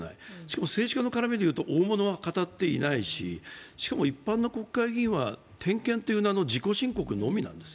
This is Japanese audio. しかも政治家の絡みでいうと大物は語っていないししかも一般の国会議員は点検という名の自己申告のみなんです。